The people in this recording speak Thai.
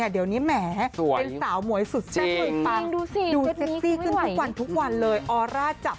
เดี๋ยวนี้แหมเป็นสาวหมวยสุดแซ่บมือปังดูเซ็กซี่ขึ้นทุกวันทุกวันเลยออร่าจับ